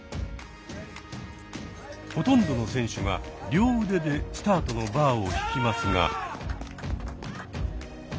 ほとんどの選手が両腕でスタートのバーを引きますが。